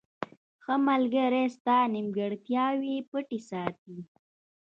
• ښه ملګری ستا نیمګړتیاوې پټې ساتي.